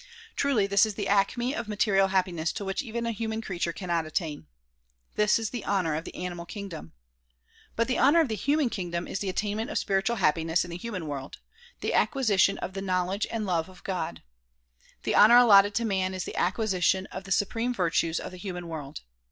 Truly this is the acme of material happiness to which even a human creature cannot attain. This is the honor of the animal kingdom. But the honor of the human kingdom is the attainment of spiritual happiness in the human world, the acquisition of the knowledge and love of God. The honor allotted to man is the acquisition of the supreme virtues of the human world.